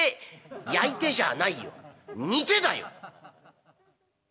「『焼いて』じゃないよ『似て』だよ」。